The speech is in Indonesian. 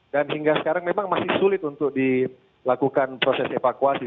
dan hingga sekarang memang masih sulit untuk dilakukan proses evakuasi